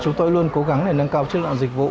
chúng tôi luôn cố gắng để nâng cao chất lượng dịch vụ